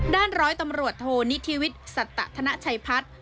ด้านร้อยตำรวจโทนิทีวิตสัตว์ธนาชัยพัฒน์